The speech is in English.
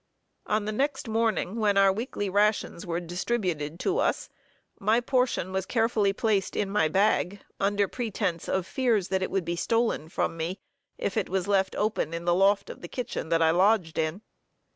On the next morning, when our weekly rations were distributed to us, my portion was carefully placed in my bag, under pretence of fears that it would be stolen from me, if it was left open in the loft of the kitchen that I lodged in.